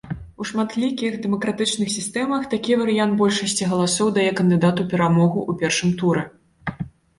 У шматлікіх дэмакратычных сістэмах, такі варыянт большасці галасоў дае кандыдату перамогу ў першым туры.